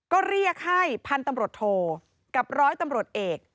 ก็เรียกให้พันธุ์ตำรวจโทกับร้อยตำรวจเอก